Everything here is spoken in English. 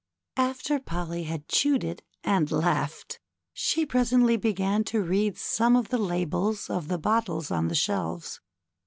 After Polly had chewed it and laughed, she pres ently began to read some of the labels of the bottles on the shelves.